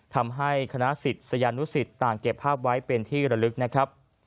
ทำให้คณะศิษยานุสิตต่างเก็บภาพไว้เป็นที่ระลึกนะครับ